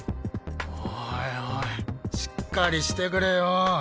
おいおいしっかりしてくれよ。